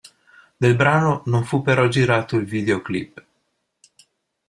Del brano non fu però girato il videoclip.